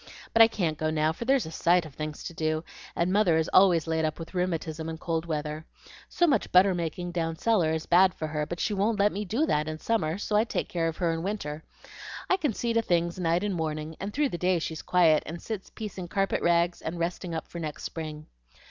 But I can't go now, for there's a sight of things to do, and mother is always laid up with rheumatism in cold weather. So much butter making down cellar is bad for her; but she won't let me do that in summer, so I take care of her in winter. I can see to things night and morning, and through the day she's quiet, and sits piecing carpet rags and resting up for next spring.